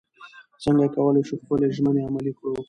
څنګه کولی شو خپلې ژمنې عملي کړو؟